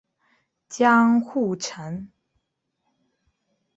江户城。